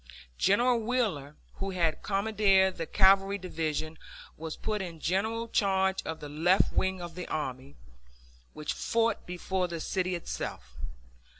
General Wheeler, who had commanded the Cavalry Division, was put in general charge of the left wing of the army, which fought before the city itself.